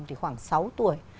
thì khoảng sáu tuổi